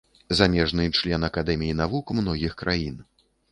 Замежны член акадэмій навук многіх краін.